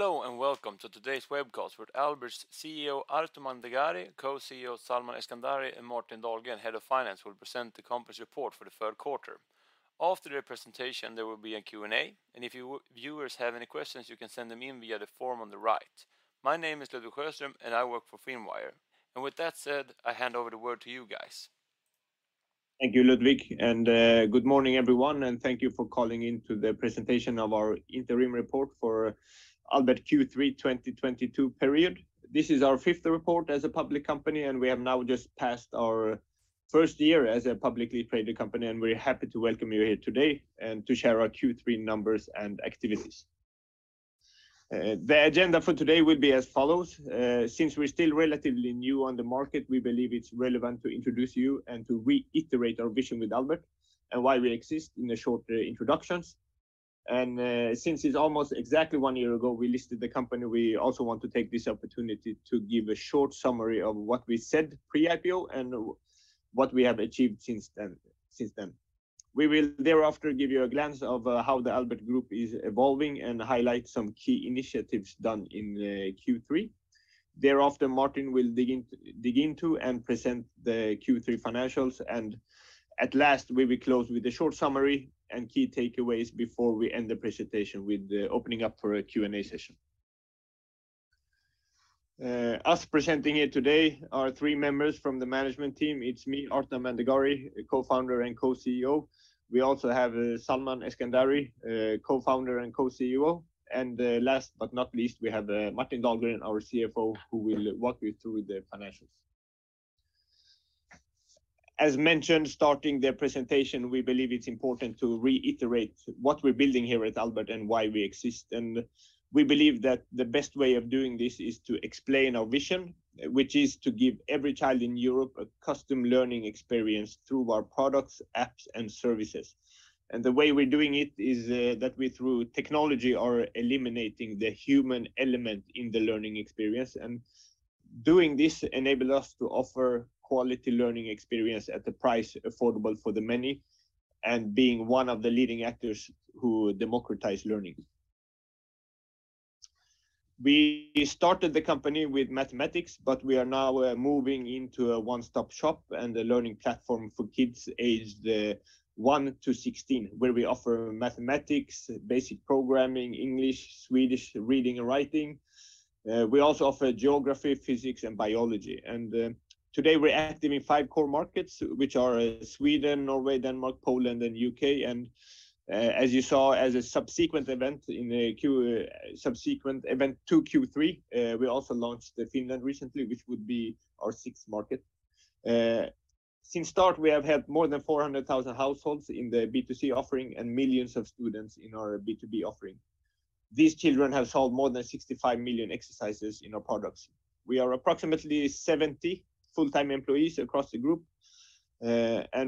Hello and welcome to today's webcast with Albert's CEO, Arta Mandegari, Co-CEO, Salman Eskandari, and Martin Dahlgren, Head of Finance. They will present the company's report for the third quarter. After their presentation, there will be a Q&A, and if you viewers have any questions, you can send them in via the form on the right. My name is Ludwig Sjöström, and I work for Finwire. With that said, I hand over the word to you guys. Thank you, Ludwig, and good morning, everyone, and thank you for calling in to the presentation of our interim report for Albert Q3 2022 period. This is our fifth report as a public company, and we have now just passed our first year as a publicly traded company, and we're happy to welcome you here today and to share our Q3 numbers and activities. The agenda for today will be as follows. Since we're still relatively new on the market, we believe it's relevant to introduce you and to reiterate our vision with Albert and why we exist in the short introductions. Since it's almost exactly one year ago we listed the company, we also want to take this opportunity to give a short summary of what we said pre-IPO and what we have achieved since then. We will thereafter give you a glance of how the Albert Group is evolving and highlight some key initiatives done in Q3. Thereafter, Martin will dig into and present the Q3 financials. At last, we will close with a short summary and key takeaways before we end the presentation with opening up for a Q&A session. Us presenting here today are three members from the management team. It's me, Arta Mandegari, Co-founder and Co-CEO. We also have Salman Eskandari, Co-founder and Co-CEO. Last but not least, we have Martin Dahlgren, our CFO, who will walk you through the financials. As mentioned, starting the presentation, we believe it's important to reiterate what we're building here at Albert and why we exist. We believe that the best way of doing this is to explain our vision, which is to give every child in Europe a custom learning experience through our products, apps, and services. The way we're doing it is, that we, through technology, are eliminating the human element in the learning experience. Doing this enable us to offer quality learning experience at a price affordable for the many, and being one of the leading actors who democratize learning. We started the company with mathematics, but we are now, moving into a one-stop shop and a learning platform for kids aged, one to sixteen, where we offer mathematics, basic programming, English, Swedish Reading and Writing. We also offer geography, physics, and biology. Today we're active in five core markets, which are Sweden, Norway, Denmark, Poland, and U.K. As you saw, as a subsequent event to Q3, we also launched Finland recently, which would be our sixth market. Since start, we have had more than 400,000 households in the B2C offering and millions of students in our B2B offering. These children have solved more than 65 million exercises in our products. We are approximately 70 full-time employees across the group.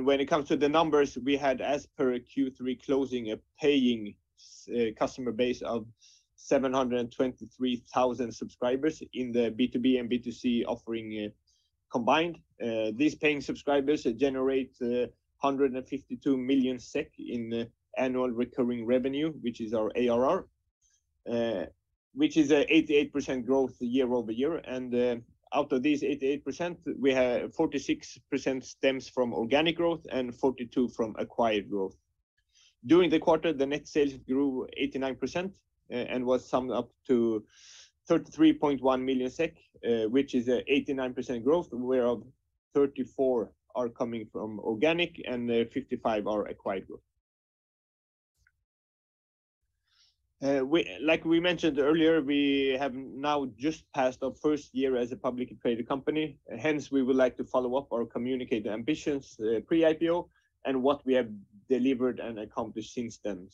When it comes to the numbers, we had, as per Q3 closing, a paying customer base of 723,000 subscribers in the B2C and B2B offering, combined. These paying subscribers generate 152 million SEK in annual recurring revenue, which is our ARR, which is an 88% growth year-over-year. Out of this 88%, we have 46% stems from organic growth and 42% from acquired growth. During the quarter, the net sales grew 89%, and was summed up to 33.1 million SEK, which is an 89% growth, whereof 34% are coming from organic and 55% are acquired growth. Like we mentioned earlier, we have now just passed our first year as a publicly traded company. Hence, we would like to follow up or communicate the ambitions pre-IPO and what we have delivered and accomplished since then.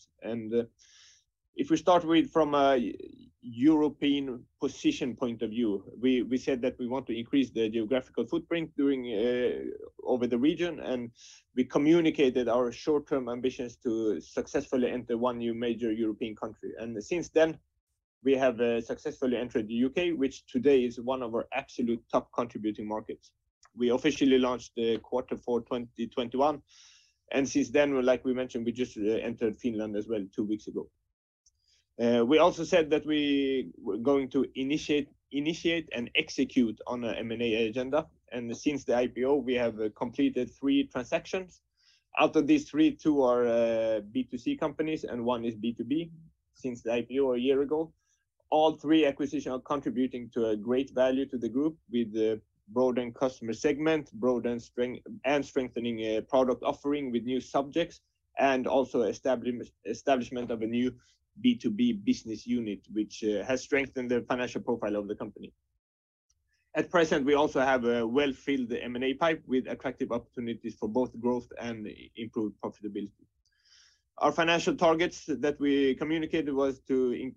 If we start with from a European position point of view, we said that we want to increase the geographical footprint during over the region, and we communicated our short-term ambitions to successfully enter one new major European country. Since then, we have successfully entered the U.K., which today is one of our absolute top contributing markets. We officially launched in the first quarter of 2021, and since then, like we mentioned, we just entered Finland as well two weeks ago. We also said that we were going to initiate and execute on a M&A agenda. Since the IPO, we have completed three transactions. Out of these three, two are B2C companies and one is B2B since the IPO a year ago. All three acquisitions are contributing to a great value to the group with the broadened customer segment and strengthening product offering with new subjects, and also establishment of a new B2B business unit, which has strengthened the financial profile of the company. At present, we also have a well-filled M&A pipe with attractive opportunities for both growth and improved profitability. Our financial targets that we communicated was to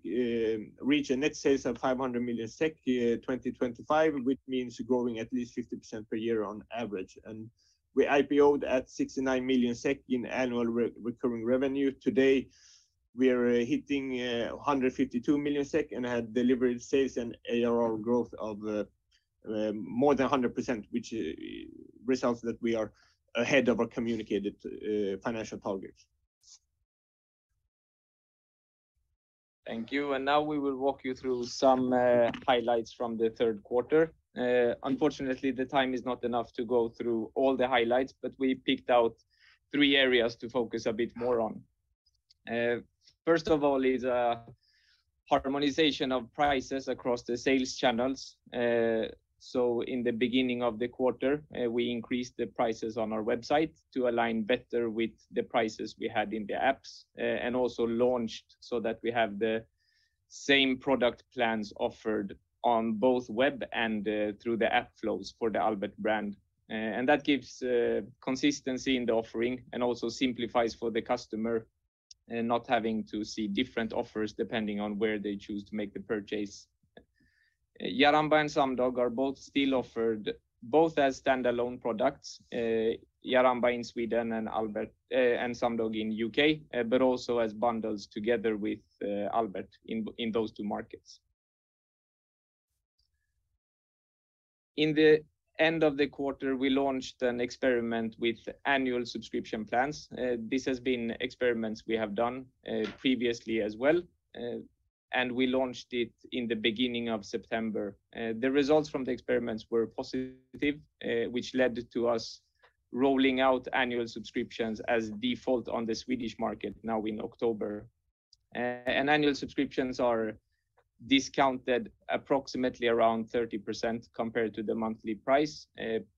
reach a net sales of 500 million SEK, 2025, which means growing at least 50% per year on average. We IPO'd at 69 million SEK in annual recurring revenue. Today, we are hitting 152 million SEK and had delivered sales and ARR growth of More than 100%, which results that we are ahead of our communicated financial targets. Thank you. Now we will walk you through some highlights from the third quarter. Unfortunately, the time is not enough to go through all the highlights, but we picked out three areas to focus a bit more on. First of all is harmonization of prices across the sales channels. In the beginning of the quarter, we increased the prices on our website to align better with the prices we had in the apps and also launched so that we have the same product plans offered on both web and through the app flows for the Albert brand. That gives consistency in the offering and also simplifies for the customer not having to see different offers depending on where they choose to make the purchase. Jaramba and Sumdog are both still offered as standalone products, Jaramba in Sweden and Sumdog in UK, but also as bundles together with Albert in those two markets. At the end of the quarter, we launched an experiment with annual subscription plans. This has been experiments we have done previously as well, and we launched it in the beginning of September. The results from the experiments were positive, which led to us rolling out annual subscriptions as default on the Swedish market now in October. Annual subscriptions are discounted approximately around 30% compared to the monthly price,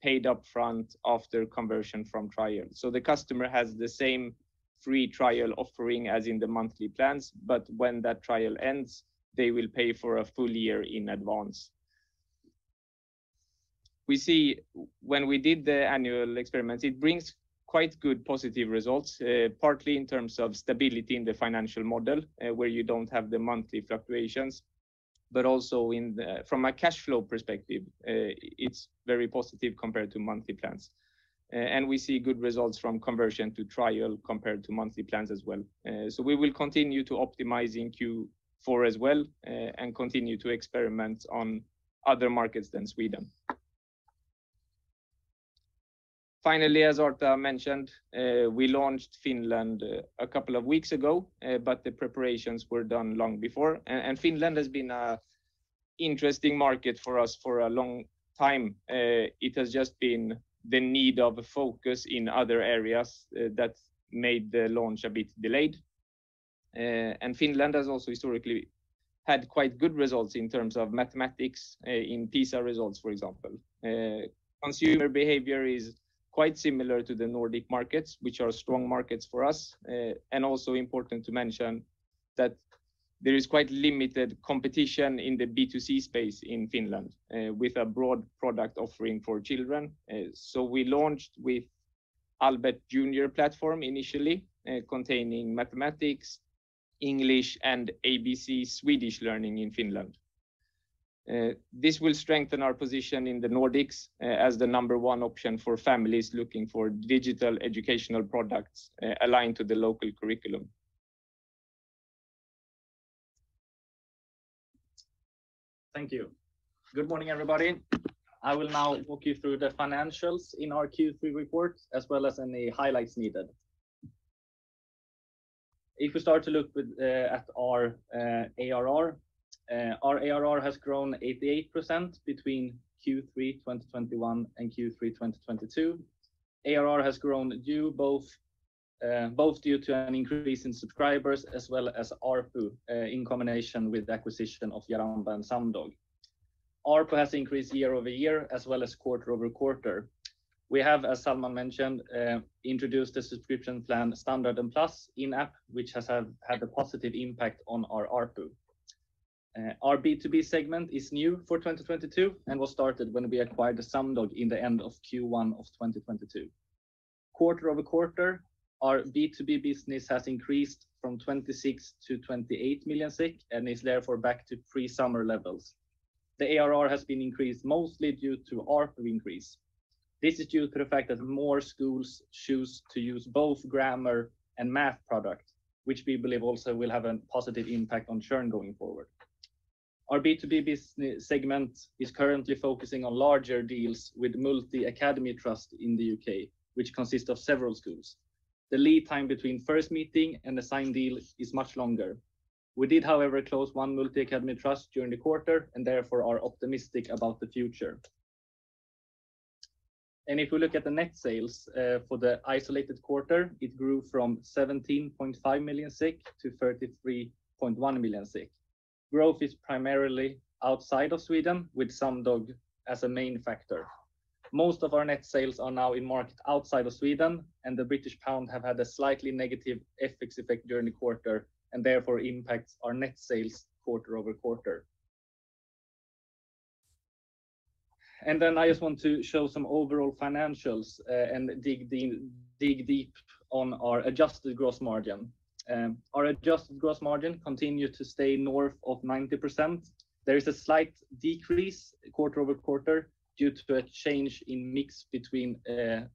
paid up front after conversion from trial. The customer has the same free trial offering as in the monthly plans, but when that trial ends, they will pay for a full year in advance. We see when we did the annual experiments, it brings quite good positive results, partly in terms of stability in the financial model, where you don't have the monthly fluctuations, but also from a cash flow perspective, it's very positive compared to monthly plans. We see good results from conversion to trial compared to monthly plans as well. We will continue to optimize in Q4 as well, and continue to experiment on other markets than Sweden. Finally, as Arta mentioned, we launched Finland a couple of weeks ago, but the preparations were done long before. Finland has been an interesting market for us for a long time. It has just been the need for a focus in other areas that made the launch a bit delayed. Finland has also historically had quite good results in terms of mathematics, in PISA results, for example. Consumer behavior is quite similar to the Nordic markets, which are strong markets for us. Also important to mention that there is quite limited competition in the B2C space in Finland, with a broad product offering for children. We launched with Albert Junior platform initially, containing mathematics, English, and ABC Swedish learning in Finland. This will strengthen our position in the Nordics, as the number one option for families looking for digital educational products, aligned to the local curriculum. Thank you. Good morning, everybody. I will now walk you through the financials in our Q3 report, as well as any highlights needed. If we start to look at our ARR, our ARR has grown 88% between Q3 2021 and Q3 2022. ARR has grown due to both an increase in subscribers, as well as ARPU, in combination with the acquisition of Jaramba and Sumdog. ARPU has increased year-over-year as well as quarter-over-quarter. We have, as Salman mentioned, introduced a subscription plan Standard and Plus in-app, which had a positive impact on our ARPU. Our B2B segment is new for 2022 and was started when we acquired Sumdog in the end of Q1 of 2022. Quarter over quarter, our B2B business has increased from 26 million to 28 million, and is therefore back to pre-summer levels. The ARR has been increased mostly due to ARPU increase. This is due to the fact that more schools choose to use both grammar and math products, which we believe also will have a positive impact on churn going forward. Our B2B segment is currently focusing on larger deals with multi-academy trust in the U.K., which consists of several schools. The lead time between first meeting and assigned deal is much longer. We did, however, close one multi-academy trust during the quarter and therefore are optimistic about the future. If we look at the net sales for the isolated quarter, it grew from 17.5 million to 33.1 million. Growth is primarily outside of Sweden with Sumdog as a main factor. Most of our net sales are now in market outside of Sweden, and the British pound have had a slightly negative FX effect during the quarter and therefore impacts our net sales quarter-over-quarter. I just want to show some overall financials, and dig deep on our adjusted gross margin. Our adjusted gross margin continued to stay north of 90%. There is a slight decrease quarter-over-quarter due to a change in mix between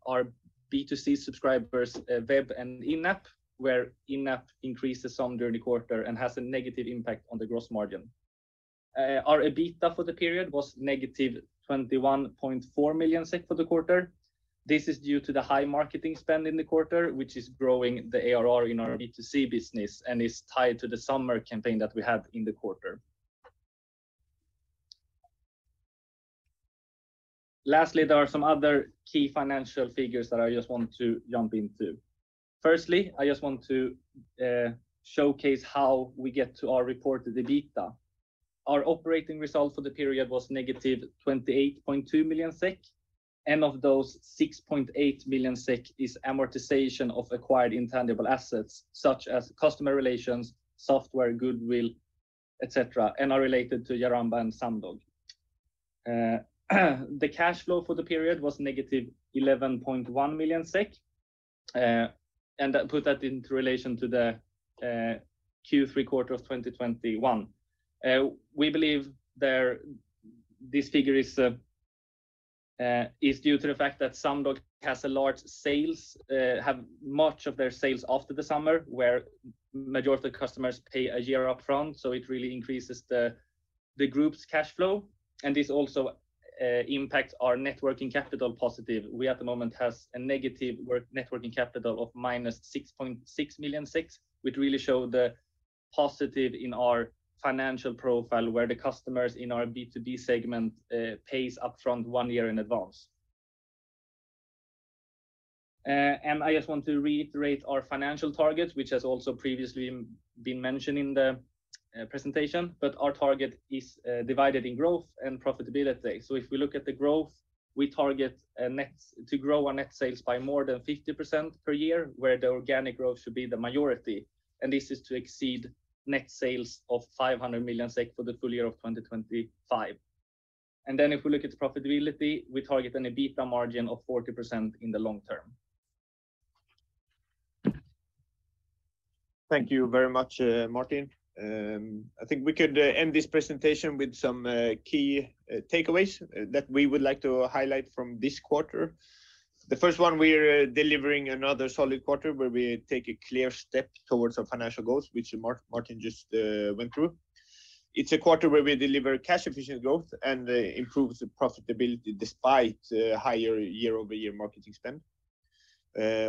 our B2C subscribers, web and in-app, where in-app increases some during the quarter and has a negative impact on the gross margin. Our EBITDA for the period was -21.4 million SEK for the quarter. This is due to the high marketing spend in the quarter, which is growing the ARR in our B2C business and is tied to the summer campaign that we have in the quarter. Lastly, there are some other key financial figures that I just want to jump into. Firstly, I just want to showcase how we get to our reported EBITDA. Our operating results for the period was -28.2 million SEK, and of those 6.8 million SEK is amortization of acquired intangible assets such as customer relations, software, goodwill, et cetera, and are related to Jaramba and Sumdog. The cash flow for the period was -11.1 million SEK. That put that into relation to the Q3 quarter of 2021. We believe this figure is due to the fact that Sumdog has much of their sales after the summer, where majority of customers pay a year up front, so it really increases the group's cash flow. This also impacts our net working capital positive. We at the moment has a negative net working capital of -6.6 million, which really show the positive in our financial profile, where the customers in our B2B segment pays up front one year in advance. I just want to reiterate our financial targets, which has also previously been mentioned in the presentation. Our target is divided in growth and profitability. If we look at the growth, we target to grow our net sales by more than 50% per year, where the organic growth should be the majority. This is to exceed net sales of 500 million SEK for the full year of 2025. If we look at profitability, we target an EBITDA margin of 40% in the long term. Thank you very much, Martin. I think we could end this presentation with some key takeaways that we would like to highlight from this quarter. The first one, we're delivering another solid quarter where we take a clear step towards our financial goals, which Martin just went through. It's a quarter where we deliver cash efficient growth and improves the profitability despite higher year-over-year marketing spend.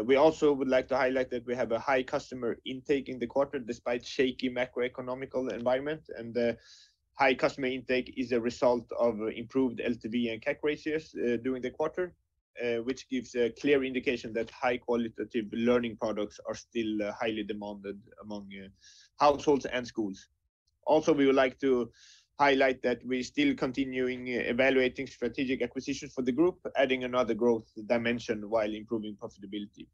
We also would like to highlight that we have a high customer intake in the quarter despite shaky macroeconomic environment. The high customer intake is a result of improved LTV and CAC ratios during the quarter, which gives a clear indication that high qualitative learning products are still highly demanded among households and schools. We would like to highlight that we're still continuing evaluating strategic acquisitions for the group, adding another growth dimension while improving profitability.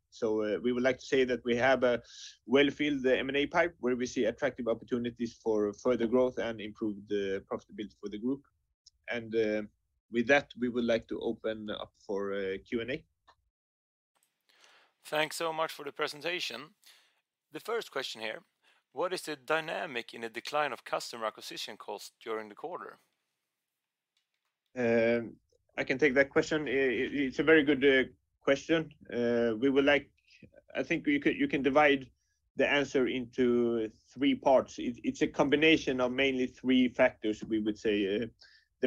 We would like to say that we have a well-filled M&A pipe where we see attractive opportunities for further growth and improved profitability for the group. With that, we would like to open up for Q&A. Thanks so much for the presentation. The first question here: what is the dynamic in the decline of customer acquisition costs during the quarter? I can take that question. It's a very good question. You can divide the answer into three parts. It's a combination of mainly three factors, we would say. The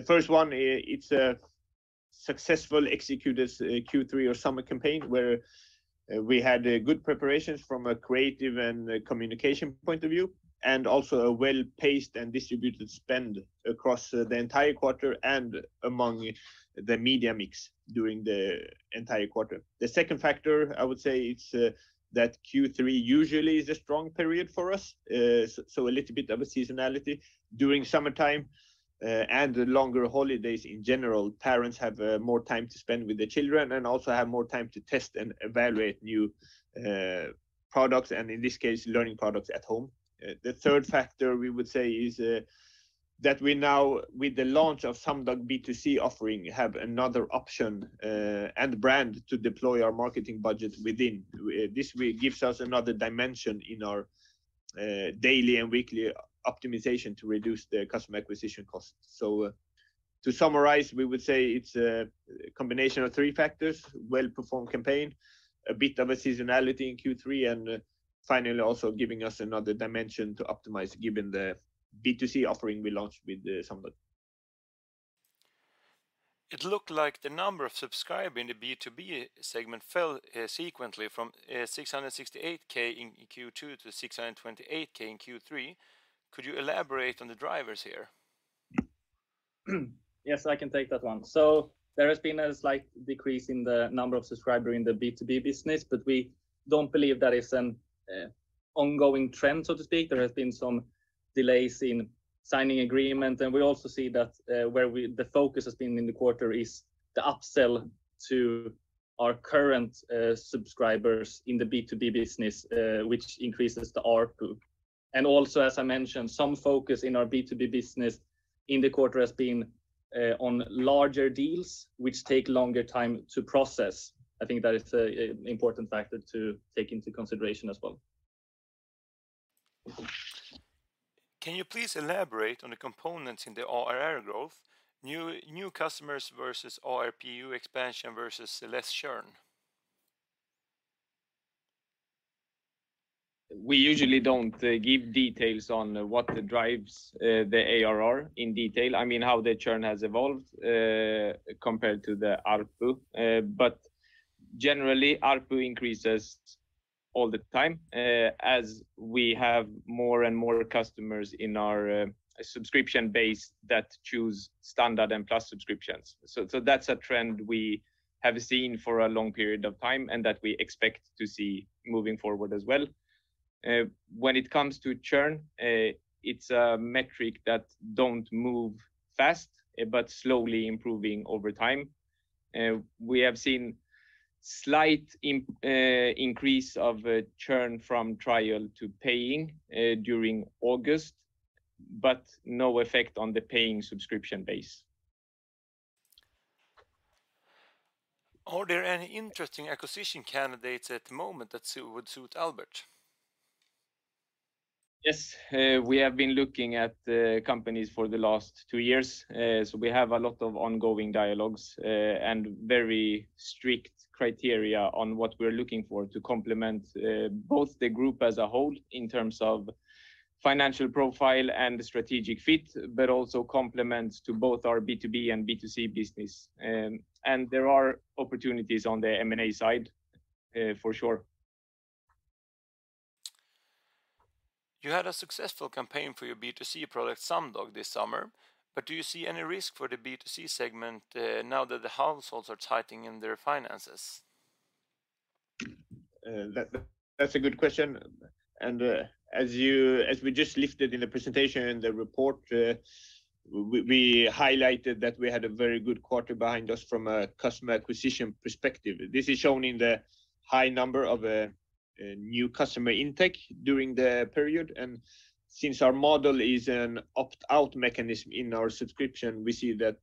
first one, it's a successfully executed Q3 or summer campaign where we had good preparations from a creative and a communication point of view, and also a well-paced and distributed spend across the entire quarter and among the media mix during the entire quarter. The second factor I would say is that Q3 usually is a strong period for us. A little bit of a seasonality during summertime. Longer holidays in general, parents have more time to spend with the children and also have more time to test and evaluate new products, and in this case, learning products at home. The third factor we would say is that we now, with the launch of Sumdog B2C offering, have another option and brand to deploy our marketing budget within. This gives us another dimension in our daily and weekly optimization to reduce the customer acquisition costs. To summarize, we would say it's a combination of three factors. Well-performed campaign, a bit of a seasonality in Q3, and finally also giving us another dimension to optimize given the B2C offering we launched with Sumdog. It looked like the number of subscribers in the B2B segment fell sequentially from 668,000 in Q2 to 628,000 in Q3. Could you elaborate on the drivers here? Yes, I can take that one. There has been a slight decrease in the number of subscribers in the B2B business, but we don't believe that is an ongoing trend, so to speak. There has been some delays in signing agreement, and we also see that the focus has been in the quarter is the upsell to our current subscribers in the B2B business, which increases the ARPU. Also, as I mentioned, some focus in our B2B business in the quarter has been on larger deals which take longer time to process. I think that is an important factor to take into consideration as well. Can you please elaborate on the components in the ARR growth, new customers versus ARPU expansion versus less churn? We usually don't give details on what drives the ARR in detail. I mean, how the churn has evolved compared to the ARPU. Generally, ARPU increases all the time as we have more and more customers in our subscription base that choose Standard and Plus subscriptions. That's a trend we have seen for a long period of time and that we expect to see moving forward as well. When it comes to churn, it's a metric that don't move fast but slowly improving over time. We have seen slight increase of churn from trial to paying during August, but no effect on the paying subscription base. Are there any interesting acquisition candidates at the moment that would suit Albert? Yes. We have been looking at companies for the last two years. We have a lot of ongoing dialogues and very strict criteria on what we're looking for to complement both the group as a whole in terms of financial profile and strategic fit, but also complements to both our B2B and B2C business. There are opportunities on the M&A side for sure. You had a successful campaign for your B2C product, Sumdog, this summer, but do you see any risk for the B2C segment, now that the households are tightening their finances? That's a good question. As we just lifted in the presentation, in the report, we highlighted that we had a very good quarter behind us from a customer acquisition perspective. This is shown in the high number of new customer intake during the period. Since our model is an opt-out mechanism in our subscription, we see that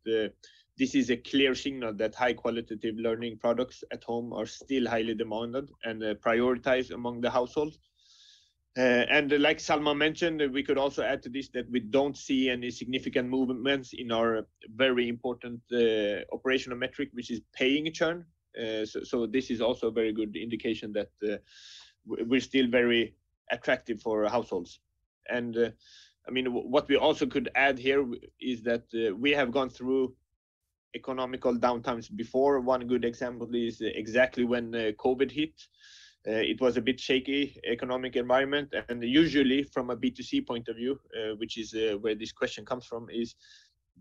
this is a clear signal that high qualitative learning products at home are still highly demanded and prioritized among the households. Like Salman mentioned, we could also add to this that we don't see any significant movements in our very important operational metric, which is paying churn. This is also a very good indication that we're still very attractive for households. I mean, what we also could add here is that we have gone through economic downtimes before. One good example is exactly when COVID hit. It was a bit shaky economic environment. Usually from a B2C point of view, which is where this question comes from,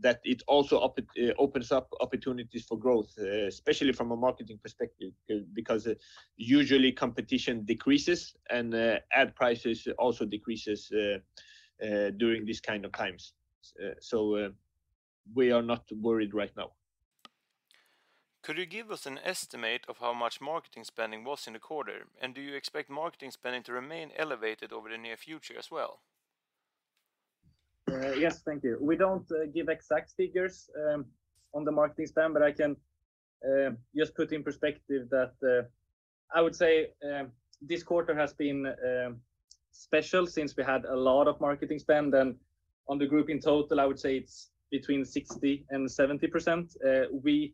it also opens up opportunities for growth, especially from a marketing perspective, because usually competition decreases and ad prices also decrease during these kind of times. We are not worried right now. Could you give us an estimate of how much marketing spending was in the quarter? Do you expect marketing spending to remain elevated over the near future as well? Yes. Thank you. We don't give exact figures on the marketing spend, but I can just put in perspective that I would say this quarter has been special since we had a lot of marketing spend. On the group in total, I would say it's between 60% and 70%. We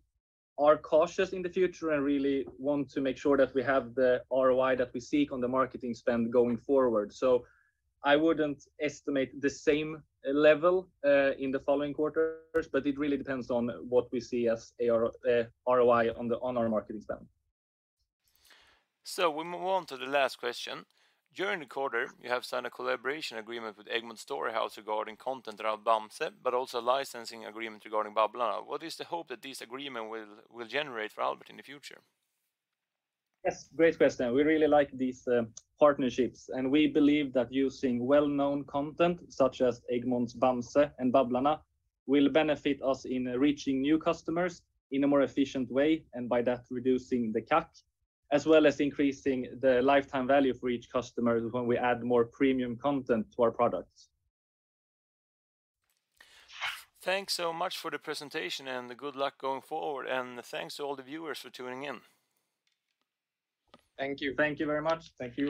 are cautious in the future and really want to make sure that we have the ROI that we seek on the marketing spend going forward. I wouldn't estimate the same level in the following quarters, but it really depends on what we see as ROI on our marketing spend. We move on to the last question. During the quarter, you have signed a collaboration agreement with Story House Egmont regarding content around Bamse, but also a licensing agreement regarding Babblarna. What is the hope that this agreement will generate for Albert in the future? Yes. Great question. We really like these partnerships, and we believe that using well-known content such as Story House Egmont's Bamse and Babblarna will benefit us in reaching new customers in a more efficient way, and by that, reducing the CAC as well as increasing the lifetime value for each customer when we add more premium content to our products. Thanks so much for the presentation and good luck going forward. Thanks to all the viewers for tuning in. Thank you. Thank you very much. Thank you.